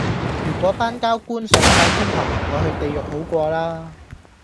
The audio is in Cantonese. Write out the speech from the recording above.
如果班膠官上哂天堂,我去地獄好過啦